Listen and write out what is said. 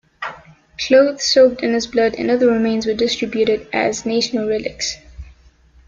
Cloth soaked in his blood and other remains were distributed as national relics.